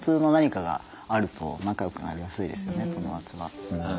友達は。